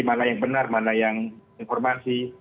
mana yang benar mana yang informasi